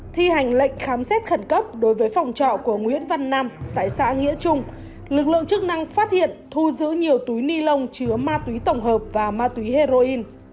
thi hành lệnh khám xét khẩn cấp đối với phòng trọ của nguyễn văn nam tại xã nghĩa trung lực lượng chức năng phát hiện thu giữ nhiều túi ni lông chứa ma túy tổng hợp và ma túy heroin